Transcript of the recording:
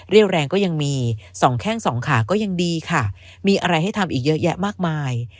แรงก็ยังมีสองแข้งสองขาก็ยังดีค่ะมีอะไรให้ทำอีกเยอะแยะมากมาย